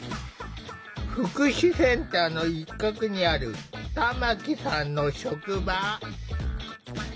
福祉センターの一角にある玉木さんの職場。